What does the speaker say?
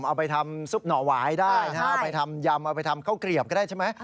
เอาไปทำซุปหน่อหวายได้นะฮะเอาไปทำยำเอาไปทำข้าวเกลียบก็ได้ใช่ไหม